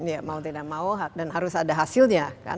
ya mau tidak mau dan harus ada hasilnya kan